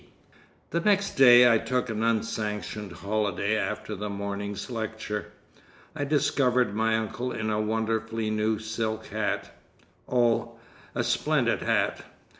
The next day I took an unsanctioned holiday after the morning's lecture. I discovered my uncle in a wonderfully new silk hat—oh, a splendid hat!